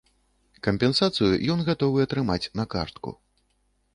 Кампенсацыю ён гатовы атрымаць на картку.